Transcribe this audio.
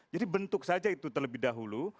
jadi bentuk saja itu terlebih dahulu